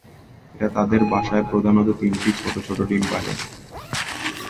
এরা তাদের বাসায় প্রধানত তিনটি ছোটো ছোটো ডিম পাড়ে।